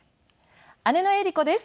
姉の江里子です。